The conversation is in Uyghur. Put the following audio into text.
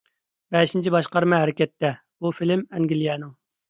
«بەشىنچى باشقارما ھەرىكەتتە»، بۇ فىلىم ئەنگلىيەنىڭ.